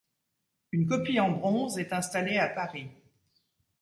Une copie en bronze est installée à Paris.